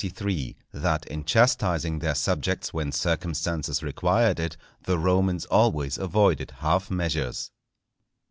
—_That in chastising their Subjects when circumstances required it the Romans always avoided half measures.